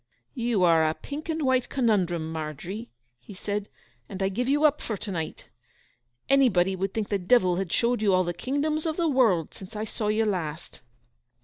'You are a pink and white conundrum, Margery,' he said; 'and I give you up for to night. Anybody would think the devil had showed you all the kingdoms of the world since I saw you last!